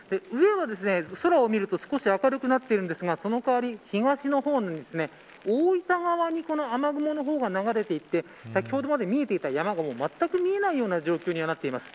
空を見ると少し明るくなっているんですがそのかわり東の方に大分側に雨雲が流れていて先ほどまで見えていた山がまったく見えような状況になっています。